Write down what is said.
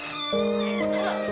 aku mau pergi